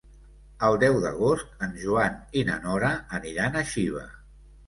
El deu d'agost en Joan i na Nora aniran a Xiva.